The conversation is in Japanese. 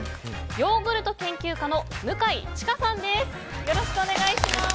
ヨーグルト研究家の向井智香さんです。